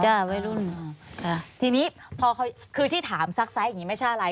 วัยรุ่นอ่าทีนี้พอเขาคือที่ถามซักซ้ายอย่างงี้ไม่ใช่อะไร